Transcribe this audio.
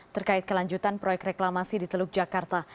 terkait kelanjutan proyek reklamasi di teluk jakarta